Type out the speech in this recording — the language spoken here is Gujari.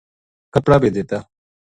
کپڑا بے دتا